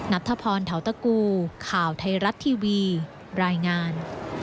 นัทธพรเทาตะกูข่าวไทยรัฐทีวีรายงาน